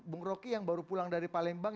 bung roky yang baru pulang dari palembang